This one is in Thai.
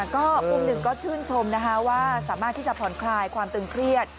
ก็มุมหนึ่งก็ชื่นชมนะคะว่าสามารถที่จะผ่อนคลายความตึงเครียด